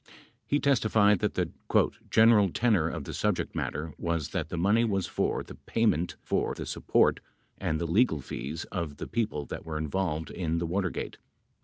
He testified that the "general tenor of the subject matter" was that the money was for the "payment for the support and the legal fees of the people that were involved in the Watergate."